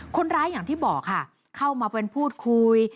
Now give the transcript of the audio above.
อย่างที่บอกค่ะเข้ามาเป็นพูดคุย